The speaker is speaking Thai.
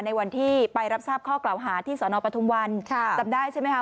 ในวันที่ไปรับทราบข้อกล่าวหาที่สทธิปุ่นปทุมวันสมัครได้ใช่ไหมครับ